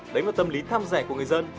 đánh vào tâm lý tham dạy của người dân